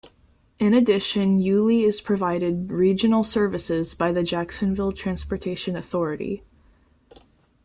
In addition Yulee is provided regional services by the Jacksonville Transportation Authority.